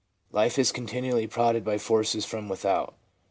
Life is continually prodded by forces from without.